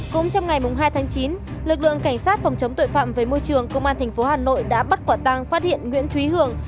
cũng trong ngày hai tháng chín lực lượng cảnh sát phòng chống tội phạm với môi trường công an thành phố hà nội đã bắt quả tang phát hiện nguyễn thúy hưởng